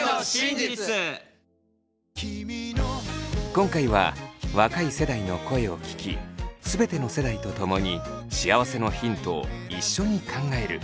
今回は若い世代の声を聴き全ての世代とともに幸せのヒントを一緒に考える。